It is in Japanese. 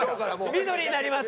緑になります。